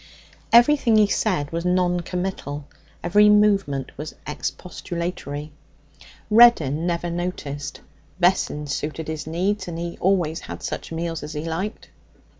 Everything he said was non committal, every movement was expostulatory. Reddin never noticed. Vessons suited his needs, and he always had such meals as he liked.